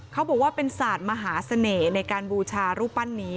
เขาบอกว่าเป็นศาสตร์มหาเสน่ห์ในการบูชารูปปั้นนี้